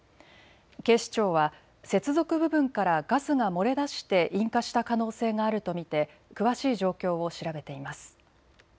警視庁は接続部分からガスが漏れ出して引火した可能性があると見て詳しい状況を調べています。